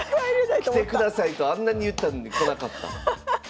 来てくださいとあんなに言ったのに来なかった。